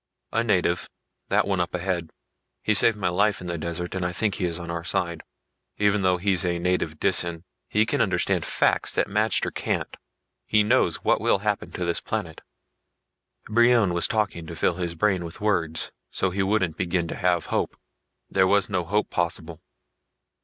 "A native that one up ahead. He saved my life in the desert, and I think he is on our side. Even though he's a native Disan, he can understand facts that the magter can't. He knows what will happen to this planet." Brion was talking to fill his brain with words so he wouldn't begin to have hope. There was no hope possible.